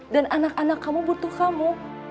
dan anak anak kamu butuh kamu